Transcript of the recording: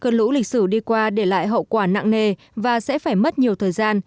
cơn lũ lịch sử đi qua để lại hậu quả nặng nề và sẽ phải mất nhiều thời gian